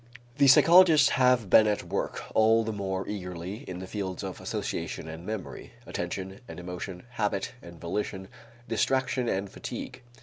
The psychologists have been at work all the more eagerly in the fields of association and memory, attention and emotion, habit and volition, distraction and fatigue.